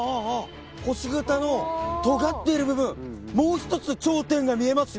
星形のとがっている部分もう一つ頂点が見えますよ。